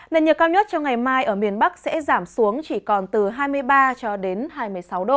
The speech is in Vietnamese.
nền nhiệt cao nhất cho ngày mai ở miền bắc sẽ giảm xuống chỉ còn từ hai mươi ba cho đến hai mươi sáu độ